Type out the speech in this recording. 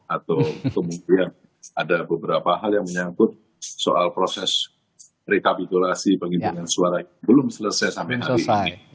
atau kemudian ada beberapa hal yang menyangkut soal proses rekapitulasi penghitungan suara belum selesai sampai hari ini